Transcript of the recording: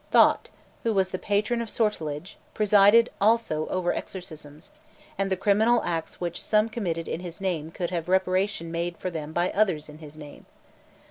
Thot, who was the patron of sortilege, presided also over exorcisms, and the criminal acts which some committed in his name could have reparation made for them by others in his name.